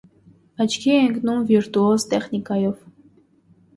Աչքի է ընկնում վիրտուոզ տեխնիկայով։